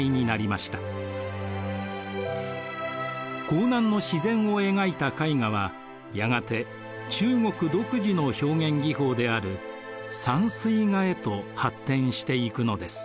江南の自然を描いた絵画はやがて中国独自の表現技法である山水画へと発展していくのです。